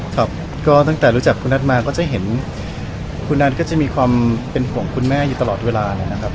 ครับก็ตั้งแต่รู้จักคุณนัทมาก็จะเห็นคุณนัทก็จะมีความเป็นห่วงคุณแม่อยู่ตลอดเวลานะครับ